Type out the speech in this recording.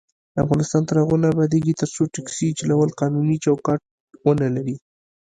افغانستان تر هغو نه ابادیږي، ترڅو ټکسي چلول قانوني چوکاټ ونه لري.